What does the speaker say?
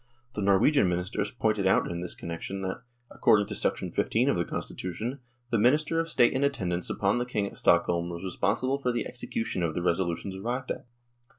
The Norwegian Ministers pointed out in this con nection that, according to 15 of the Constitution, the Minister of State in attendance upon the King at Stockholm was responsible for the execution of the resolutions arrived at.